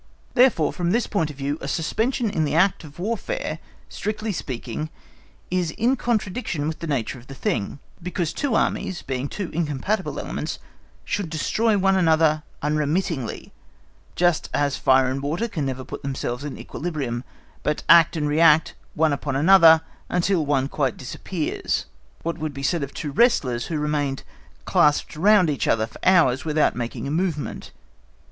Therefore, from this point of view, a suspension in the act of Warfare, strictly speaking, is in contradiction with the nature of the thing; because two Armies, being two incompatible elements, should destroy one another unremittingly, just as fire and water can never put themselves in equilibrium, but act and react upon one another, until one quite disappears. What would be said of two wrestlers who remained clasped round each other for hours without making a movement.